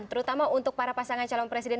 terutama untuk para pasangan calon presiden